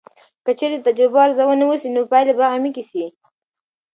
که چیرې د تجربو ارزونه وسي، نو پایلې به عمیقې سي.